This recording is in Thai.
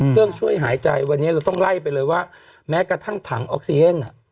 เครื่องช่วยหายใจวันนี้เราต้องไล่ไปเลยว่าแม้กระทั่งถังออกซิเจน